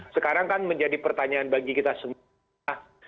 sekarang kan menjadi pertanyaan bagi kita semua